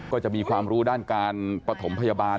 ก็จะมีความรู้ด้านการปฐมพยาบาล